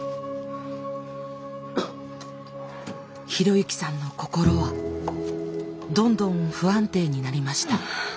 啓之さんの心はどんどん不安定になりました。